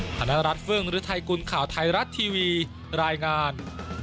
ธนรัฐเฟื่องฤทัยกุลข่าวไทยรัฐทีวีรายงาน